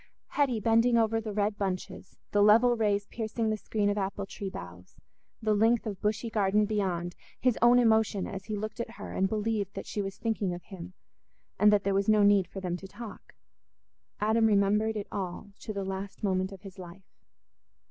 Hetty bending over the red bunches, the level rays piercing the screen of apple tree boughs, the length of bushy garden beyond, his own emotion as he looked at her and believed that she was thinking of him, and that there was no need for them to talk—Adam remembered it all to the last moment of his life.